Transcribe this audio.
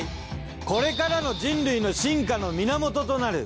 これからの人類の進化の源となる